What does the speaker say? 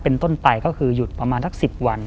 เป็นต้นไปก็คือหยุดประมาณสัก๑๐วัน